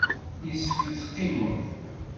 Yessefk ad teqqimeḍ.